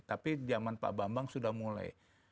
tapi zaman pak bambang sudah mulai